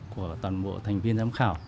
của toàn bộ thành viên giám khảo